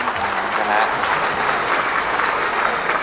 มาด้วยครับ